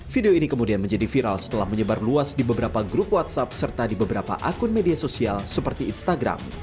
video ini kemudian menjadi viral setelah menyebar luas di beberapa grup whatsapp serta di beberapa akun media sosial seperti instagram